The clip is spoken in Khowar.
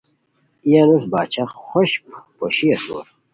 ای انوس باچھا خوشپ پوشی اسور